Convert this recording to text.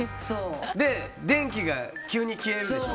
電気が急に消えるでしょ。